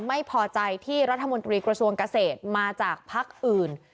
ไม่พอใจที่รัฐมนตรีกระทรวงเกษตรมาจากพักอื่น